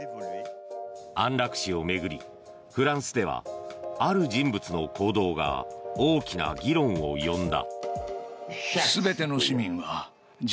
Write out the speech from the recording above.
安楽死を巡り、フランスではある人物の行動が大きな議論を呼んだ。